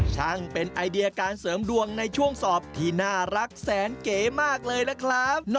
ช่างเป็นไอเดียการเสริมดวงในช่วงสอบที่น่ารักแสนเก๋มากเลยล่ะครับ